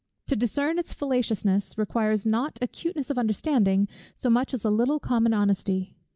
To discern its fallaciousness, requires not acuteness of understanding, so much as a little common honesty.